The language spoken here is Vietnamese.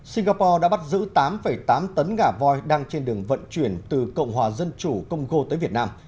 singapore đã bắt giữ tám tám tấn ngả vòi đang trên đường vận chuyển từ cộng hòa dân chủ công cô tới việt nam